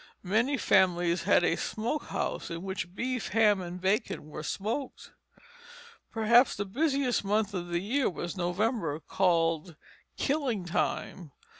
Many families had a smoke house, in which beef, ham, and bacon were smoked. Perhaps the busiest month of the year was November, called "killing time."